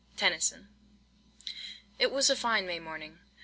TENNYSON. IT was a fine May morning.